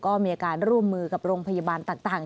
ก็มีอาการร่วมมือกับโรงพยาบาลต่าง